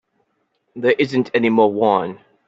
There isn't any more wine.